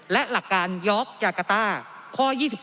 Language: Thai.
และหลักการยอกยากาต้าข้อ๒๒